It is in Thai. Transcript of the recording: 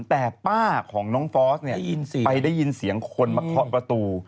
แต่ป้าของน้องฟอสเนี่ยไปได้ยินเสียงคนมาเคาะประตู